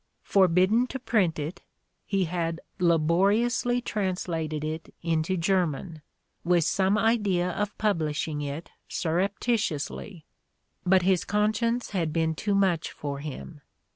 Forbidden to print it, he had "laboriously translated it into German, with some idea of publishing it surrep titiously ; but his conscience had been too much for him.